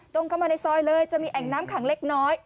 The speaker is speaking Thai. เข้ามาในซอยเลยจะมีแอ่งน้ำขังเล็กน้อย